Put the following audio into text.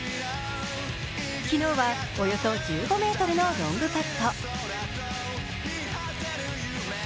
昨日は、およそ１５ｍのロングパット。